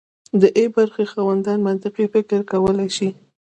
د ای برخې خاوند منطقي فکر کولی شي.